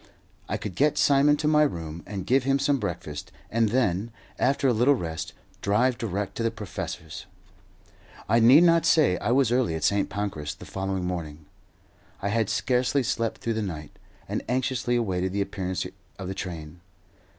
I could get Simon to my room and give him some breakfast, and then, after a little rest, drive direct to the professor's. I need not say I was early at St. Pancras the following morning. I had scarcely slept through the night, and anxiously awaited the appearance of the train.